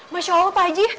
masya allah pak haji